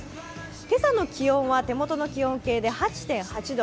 今朝の気温は手元の気温計で８．８度。